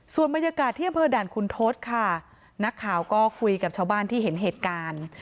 ส่วนบรรยากาศที่อำเภอด่านคุณทศค่ะนักข่าวก็คุยกับชาวบ้านที่เห็นเหตุการณ์